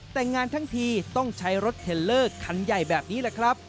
แต่งงานทั้งทีต้องใช้รถเทลเลอร์คันใหญ่แบบนี้แหละครับ